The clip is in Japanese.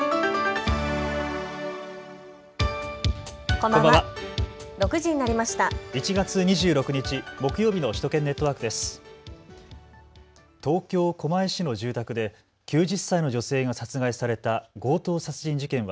こんばんは。